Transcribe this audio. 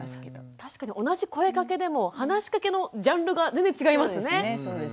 確かに同じ声かけでも話しかけのジャンルが全然違いますね。